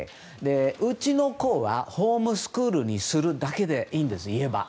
うちの子はホームスクールにするだけでいいんです、言えば。